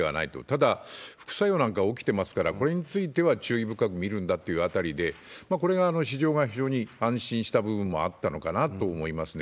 ただ、副作用なんか起きてますから、これについては注意深く見るんだっていうあたりで、これが、市場が非常に安心した部分もあったのかなというふうに思いますね。